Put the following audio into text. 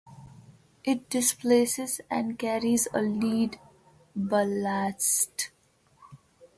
It displaces and carries of lead ballast.